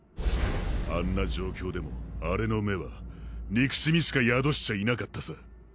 あんな状況でもアレの眼は憎しみしか宿しちゃいなかったさ。